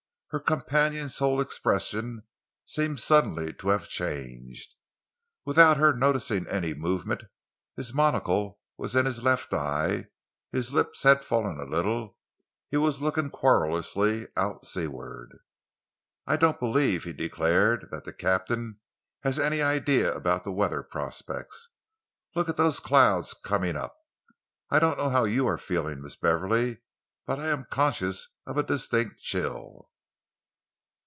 Her companion's whole expression seemed suddenly to have changed. Without her noticing any movement, his monocle was in his left eye, his lip had fallen a little. He was looking querulously out seaward. "I don't believe," he declared, "that the captain has any idea about the weather prospects. Look at those clouds coming up. I don't know how you are feeling, Miss Beverley, but I am conscious of a distinct chill."